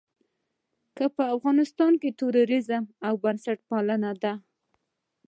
که په افغانستان کې تروريزم او بنسټپالنه ده.